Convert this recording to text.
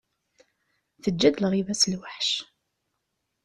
Teǧǧa-d lɣiba-s lweḥc.